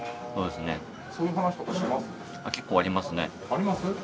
あります？